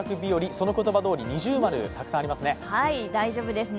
その言葉どおり◎がたくさんありますね。